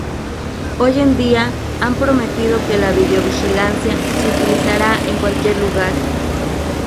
Hoy en día, Han prometido que la videovigilancia se utilizará en cualquier lugar.